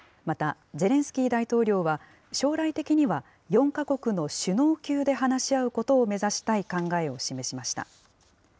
またゼレンスキー大統領は、将来的には４か国の首脳級で話し合うことを目指したい考えを示しました。